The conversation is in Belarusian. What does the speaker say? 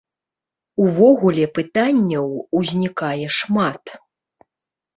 Увогуле пытанняў узнікае шмат.